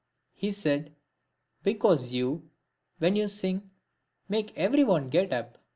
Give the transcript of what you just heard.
he said, " Because you, when you sing, make every one get up."